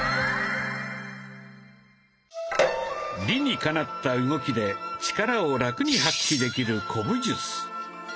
理にかなった動きで力をラクに発揮できる古武術。